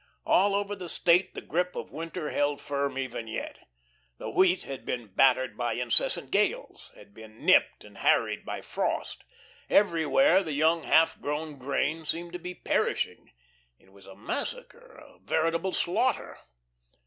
All over the State the grip of winter held firm even yet. The wheat had been battered by incessant gales, had been nipped and harried by frost; everywhere the young half grown grain seemed to be perishing. It was a massacre, a veritable slaughter.